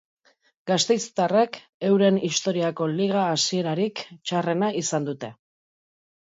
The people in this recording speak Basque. Gasteiztarrek euren istoriako liga hasierarik txarrena izan dute.